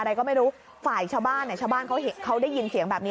อะไรก็ไม่รู้ฝ่ายชาวบ้านเนี่ยชาวบ้านชาวบ้านเขาได้ยินเสียงแบบนี้